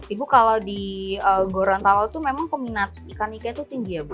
ibu kalau di gorontalo itu memang peminat ikan ikan itu tinggi ya bu